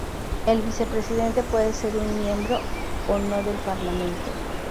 El vicepresidente puede ser un miembro o no del Parlamento.